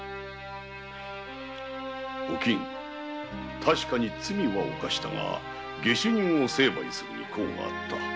確かに罪は犯したが下手人を成敗するに功があった。